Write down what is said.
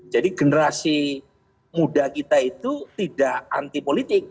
jadi generasi muda kita itu tidak anti politik